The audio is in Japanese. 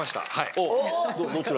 どちらに？